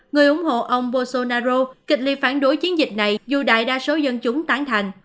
người ủng hộ ông boso kịch liệt phản đối chiến dịch này dù đại đa số dân chúng tán thành